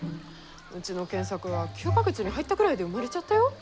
うちの健作は９か月に入ったぐらいで生まれちゃったよ。